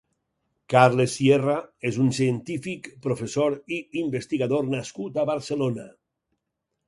Carles Sierra és un cientific, professor i investigador nascut a Barcelona.